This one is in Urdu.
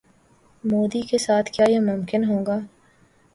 مودی کے ساتھ کیا یہ ممکن ہوگا؟